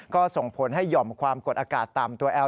ก็ส่งผลให้หย่อมความกดอากาศต่ำตัวแอล